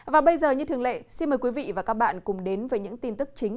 và bây giờ như thường lệ xin mời quý vị và các bạn cùng đến với những tin tức chính